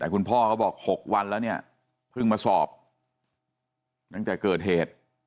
คุณพ่อเขาบอก๖วันแล้วเนี่ยเพิ่งมาสอบตั้งแต่เกิดเหตุ